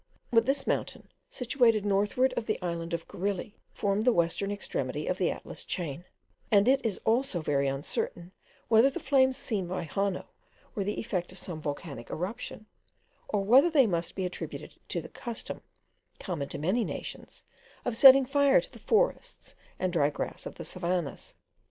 But this mountain, situated northward of the island of the Gorilli, formed the western extremity of the Atlas chain; and it is also very uncertain whether the flames seen by Hanno were the effect of some volcanic eruption, or whether they must be attributed to the custom, common to many nations, of setting fire to the forests and dry grass of the savannahs.